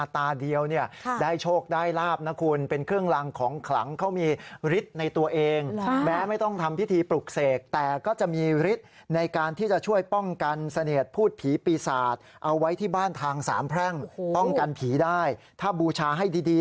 ที่บ้านทางสามแพร่งโอ้โหต้องกันผีได้ถ้าบูชาให้ดีดี